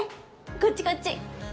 こっちこっち。